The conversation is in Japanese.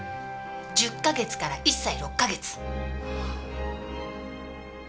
１０か月から１歳６か月。